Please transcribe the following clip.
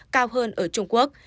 cao hơn ở trung quốc